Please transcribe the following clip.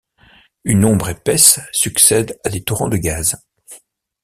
Une ombre épaisse succède à des torrents de gaz.